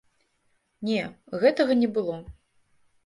Не, гэтага не было.